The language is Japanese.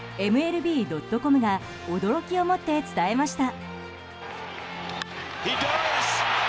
ＭＬＢ．ｃｏｍが驚きを持って伝えました。